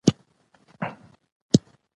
د کرنیزو آفتونو پر ضد طبیعي لارې هم شته دي.